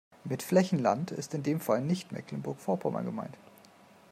Mit Flächenland ist in dem Fall nicht Mecklenburg-Vorpommern gemeint.